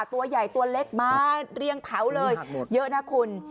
ตัวใหญ่ตัวเล็กมาเรียงแถวเลยเยอะนะคุณ